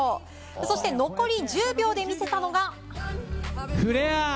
そして残り１０秒で見せたのが。